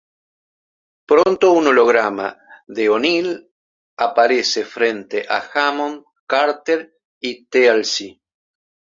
Pronto, un holograma de O'Neill aparece frente a Hammond, Carter y Teal'c.